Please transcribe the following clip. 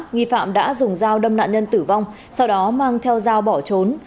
nghi phạm đã dùng dao đâm nạn nhân tử vong sau đó mang theo dao bỏ trốn